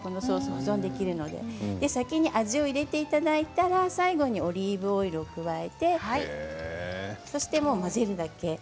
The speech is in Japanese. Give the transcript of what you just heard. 保存できるので先に味わいに入れていただいて最後にオリーブオイルを加えていただいて混ぜるだけ。